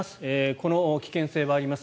この危険性はあります。